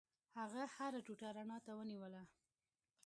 هغه هره ټوټه رڼا ته ونیوله.